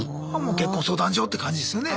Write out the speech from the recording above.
結婚相談所って感じですよね。